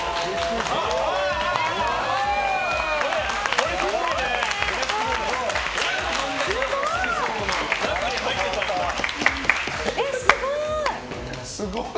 これすごいね！